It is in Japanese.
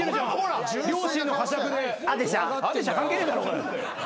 「あでしゃ」関係ねえだろ。